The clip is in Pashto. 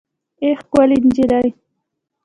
اې ښکلې نجلۍ